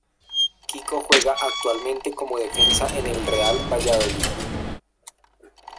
Kiko juega actualmente como defensa en el Real Valladolid.